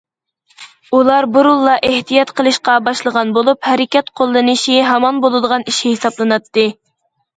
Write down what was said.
ئۇلار بۇرۇنلا ئېھتىيات قىلىشقا باشلىغان بولۇپ، ھەرىكەت قوللىنىشى ھامان بولىدىغان ئىش ھېسابلىناتتى.